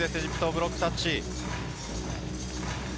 ブロックタッチ。